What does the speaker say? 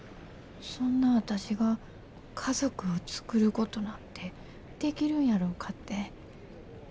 そんな私が家族を作ることなんてできるんやろうかって。